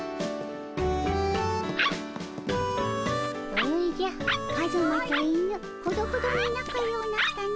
おじゃカズマと犬ほどほどに仲ようなったの。